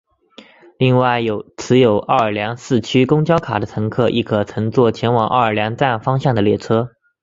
另外持有奥尔良市区公交卡的乘客亦可乘坐前往奥尔良站方向的列车。